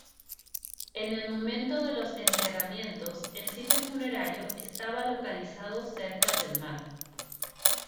En el momento de los enterramientos, el sitio funerario estaba localizado cerca del mar.